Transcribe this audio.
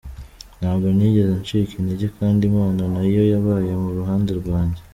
Ntabwo nigeze ncika intege, kandi Imana na yo yabaye mu ruhande rwanjye".